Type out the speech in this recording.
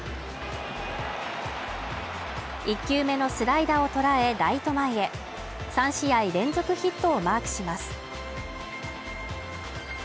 １球目のスライダーをとらえライト前へ３試合連続ヒットをマークします。